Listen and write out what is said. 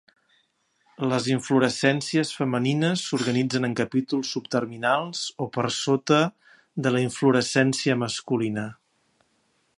Les inflorescències femenines s'organitzen en capítols subterminals o per sota de la inflorescència masculina.